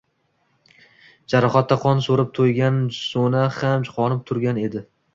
Jarohatda qon so‘rib to‘ygan so‘na ham qo‘nib turgan edi